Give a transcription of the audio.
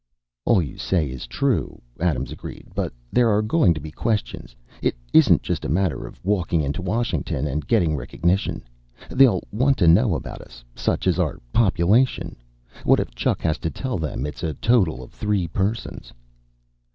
"All you say is true," Adams agreed, "but there are going to be questions. It isn't just a matter of walking into Washington and getting recognition. They'll want to know about us, such as our population. What if Chuck has to tell them it's a total of three persons?"